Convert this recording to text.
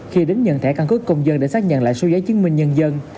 khi đến nhận thẻ căn cước công dân để xác nhận lại số giấy chứng minh nhân dân